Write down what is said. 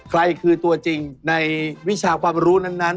ใครคือตัวจริงในวิชาความรู้นั้น